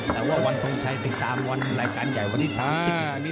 แต่ว่าวันทรงชัยติดตามวันรายการใหญ่วันนี้๓๐นาที